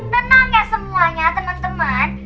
tenang ya semuanya temen temen